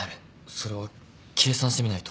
それは計算してみないと。